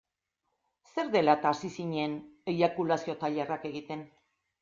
Zer dela-eta hasi zinen eiakulazio-tailerrak egiten?